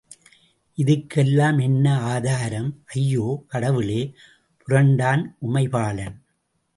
இதுக்கெல்லாம் என்ன ஆதாரம்? ″ ″ஐயோ, கடவுளே! புரண்டான் உமைபாலன்.